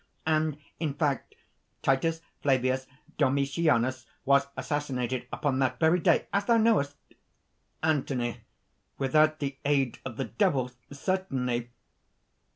And in fact Titus Flavius Domitianus was assassinated upon that very day, as thou knowest." ANTHONY. "Without the aid of the Devil ... certainly